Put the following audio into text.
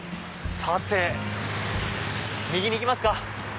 さて右に行きますか。